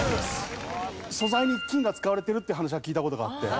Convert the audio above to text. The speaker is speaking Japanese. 素材に金が使われてるっていう話は聞いた事があって。